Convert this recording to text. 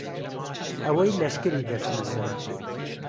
ئهوهی لهشکری دهچنه سەر